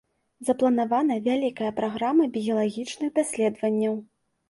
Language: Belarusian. Запланавана вялікая праграма біялагічных даследаванняў.